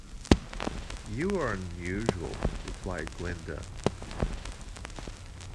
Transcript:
"You are unusual," replied Glinda.